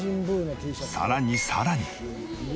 さらにさらに。